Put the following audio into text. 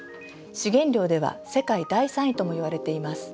資源量では世界第３位ともいわれています。